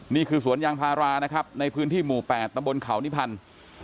นี่คือสวนยางพารานะครับในพื้นที่หมู่๘ตำบลเขานิพันธ์